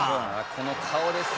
「この顔です。